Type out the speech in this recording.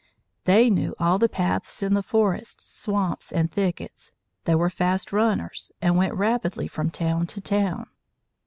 They knew all the paths in the forests, swamps, and thickets. They were fast runners, and went rapidly from town to town.